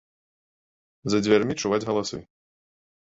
За дзвярмі чуваць галасы.